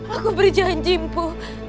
aku berjanji ibu